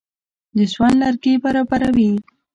د سون لرګي برابروي.